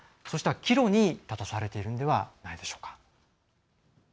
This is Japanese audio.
そうした岐路に立たされているのではないでしょうか。